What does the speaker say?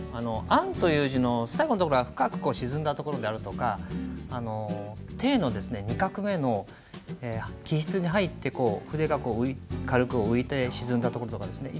「安」という字の最後のところが深く沈んだところであるとか「定」の２画目の起筆に入って筆が軽く浮いて沈んだところとかですね